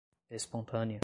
espontânea